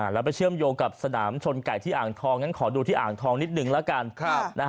แล้วไปเชื่อมโยงกับสนามชนไก่ที่อ่างทองงั้นขอดูที่อ่างทองนิดนึงแล้วกัน